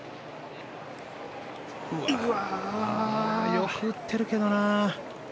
よく打ってるけどな。